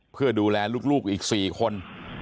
เพื่อดูแลลูกอีก๔คน